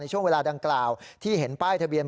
ช่วงเวลาดังกล่าวที่เห็นป้ายทะเบียน